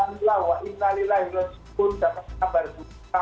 alhamdulillah wa'imnalillahirrohmanirrohim dapat kabar buka hatinya